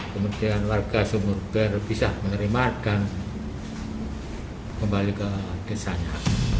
kemudian warga sumur bisa menerima dan kembali ke desanya